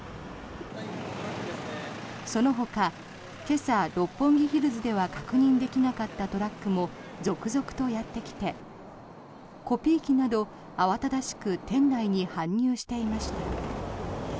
そのほか今朝、六本木ヒルズでは確認できなかったトラックも続々とやってきてコピー機など、慌ただしく店内に搬入していました。